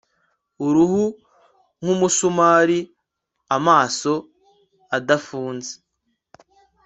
Uruhu nkumusumari amaso adafunze